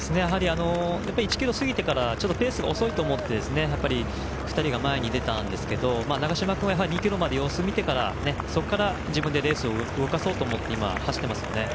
１ｋｍを過ぎてからペースが遅いと思って２人が前に出たんですが長嶋君はやはり２ｋｍまで様子を見てから自分でレースを動かそうと思って走ってますよね。